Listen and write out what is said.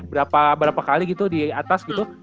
berapa berapa kali gitu di atas gitu